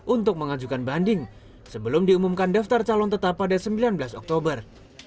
untuk mengajukan banding sebelum diumumkan daftar calon tetap pada sembilan belas oktober